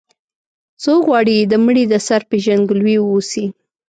څوک غواړي د مړي د سر پېژندګلوي واوسي.